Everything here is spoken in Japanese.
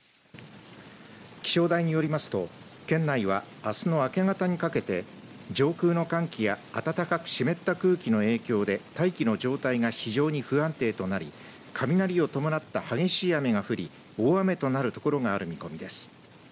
気象台によりますと県内はあすの明け方にかけて上空の寒気や暖かく湿った空気の影響で大気の状態が非常に不安定となり雷を伴った激しい雨が降り大雨となるところがある見込みです。